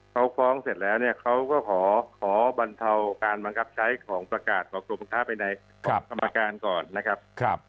เขาฟ้องเสร็จแล้วเนี่ยเขาก็ขอบรรเทาการบังคับใช้ของประกาศของกรมค้าภายในกรรมการก่อนนะครับ